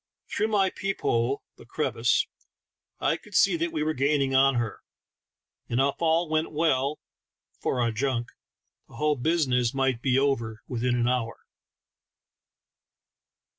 Through my peep hole — the crevice — I could see that we were gaining on her, and if all went well (for our junk) the whole business might be over within an hour.